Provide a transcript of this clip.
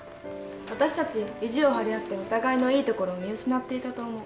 私たち意地を張り合ってお互いのいいところを見失っていたと思う。